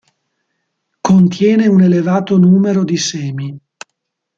Contiene un elevato numero di semi.